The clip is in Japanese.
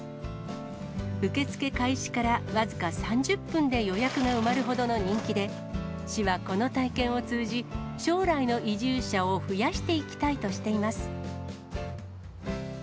受け付け開始から僅か３０分で予約が埋まるほどの人気で、市はこの体験を通じ、将来の移住者を増やしていきたいとしています。